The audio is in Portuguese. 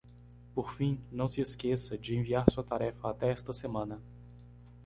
Por fim,? não se esqueça de enviar sua tarefa até esta semana.